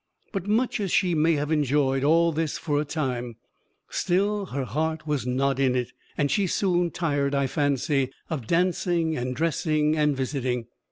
But much as she may have enjoyed all this for a time, still her heart was not in it, and she soon tired, I fancy, of dancing and dressing and visiting.